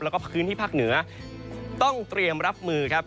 แล้วก็พื้นที่ภาคเหนือต้องเตรียมรับมือครับ